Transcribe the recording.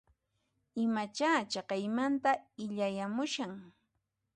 Imacha chaqaymanta illayamushan?